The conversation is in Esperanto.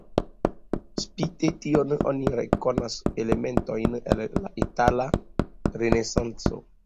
Spite tion oni rekonas elementojn el la itala renesanco.